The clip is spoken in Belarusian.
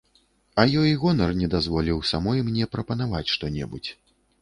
А ёй гонар не дазволіў самой мне прапанаваць што небудзь.